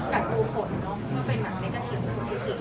กัดดูผลเนอะเมื่อเป็นหลังในกระทิตย์หรือกระทิตย์อื่น